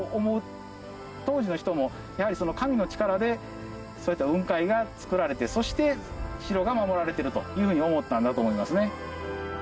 当時の人も、やはり、神の力でそういった雲海が作られてそして城が守られてるという風に思ったんだと思いますね。